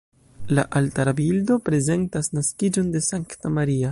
La altara bildo prezentas naskiĝon de Sankta Maria.